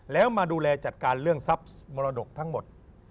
แล้วมาดูแลจัดการเรื่องทรัพย์มรดกทั้งหมด